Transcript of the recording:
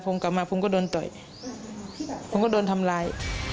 ผมก็โดนทำร้าย